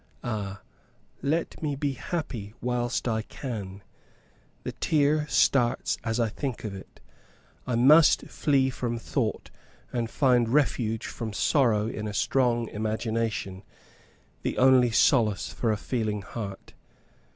Ah! let me be happy whilst I can. The tear starts as I think of it. I must flee from thought, and find refuge from sorrow in a strong imagination the only solace for a feeling heart.